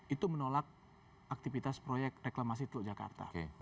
itu menolak aktivitas proyek reklamasi teluk jakarta